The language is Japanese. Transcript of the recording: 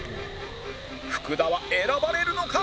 福田は選ばれるのか？